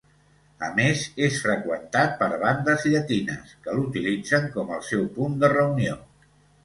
A més és freqüentat per bandes llatines, que l'utilitzen com el seu punt de reunió.